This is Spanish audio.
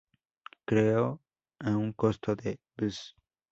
Creó, a un costo de Bs.